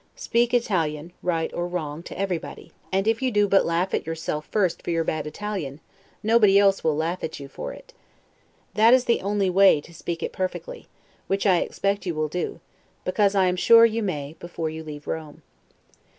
Speak Italian, right or wrong, to everybody; and if you do but laugh at yourself first for your bad Italian, nobody else will laugh at you for it. That is the only way to speak it perfectly; which I expect you will do, because I am sure you may, before you leave Rome.